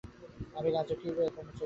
আমি রাজবাটীর কর্মচারী।